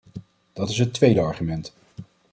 Dat is het tweede argument.